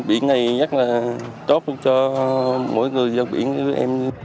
biển này rất là tốt cho mỗi người ra biển với em